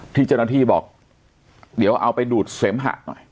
ที่เจ้าหน้าที่บอกเดี๋ยวเอาไปดูดเสมหะหน่อย